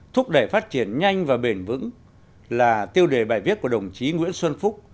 thúc đẩy phát triển nhanh và bền vững là tiêu đề bài viết của đồng chí nguyễn xuân phúc